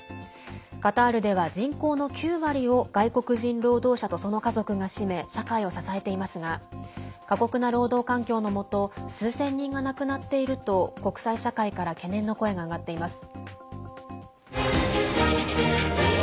カタールでは人口の９割を外国人労働者とその家族が占め社会を支えていますが過酷な労働環境のもと数千人が亡くなっていると国際社会から懸念の声が上がっています。